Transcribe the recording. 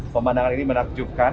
pemandangan ini menakjubkan